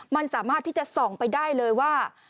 มันสามารถที่จะส่องไปได้เลยว่า